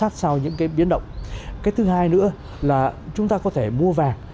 thứ hai chúng ta có thể mua vàng